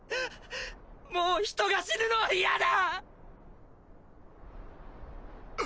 もう人が死ぬのは嫌だ！